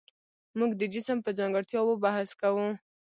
موږ د جسم په ځانګړتیاوو بحث کوو.